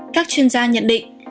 các chuyên gia nhận định